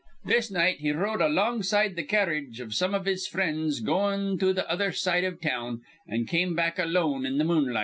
This night he rode alongside th' carredge iv some iv his frinds goin' to th' other side iv town, an' come back alone in th' moonlight.